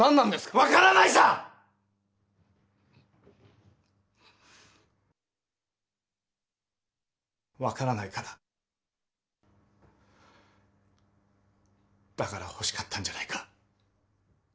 分からないさッ分からないからだから欲しかったんじゃないか